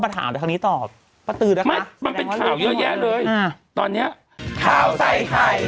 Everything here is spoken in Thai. โปรดติดตามตอนต่อไป